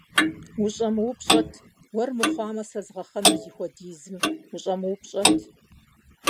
УщӀэмыупщӀэт, уэр мыхъуамэ, сэ згъэхъэнур зыхуэдизым, ущӀэмыупщӀэт!..